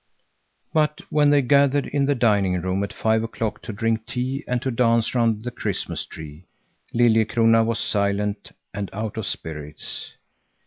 But when they gathered in the dining room at five o'clock to drink tea and to dance round the Christmas tree, Liljekrona was silent and out of spirits.